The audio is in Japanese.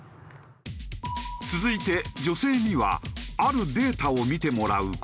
続いて女性にはあるデータを見てもらう事に。